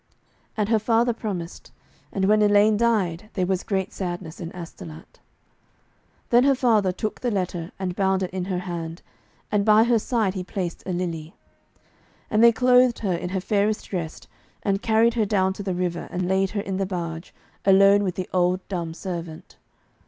And her father promised. And when Elaine died there was great sadness in Astolat. Then her father took the letter and bound it in her hand, and by her side he placed a lily. And they clothed her in her fairest dress, and carried her down to the river, and laid her in the barge, alone with the old dumb servant.